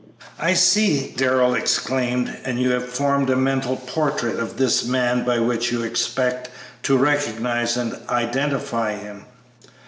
"I see!" Darrell exclaimed; "and you have formed a mental portrait of this man by which you expect to recognize and identify him?"